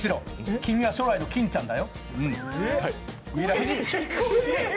君は将来の欽ちゃんだよ。